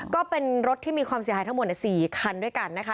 ก็เป็นรถที่มีความเสียหายทั้งหมด๔คันด้วยกันนะคะ